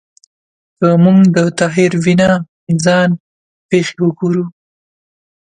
که موږ د طاهر بینا ځان پېښې وګورو